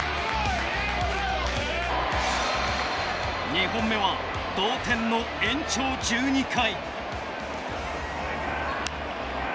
２本目は同点の延長１２回。